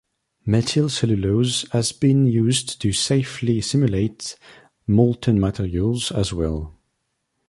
Methyl cellulose has been used to safely simulate molten materials, as well.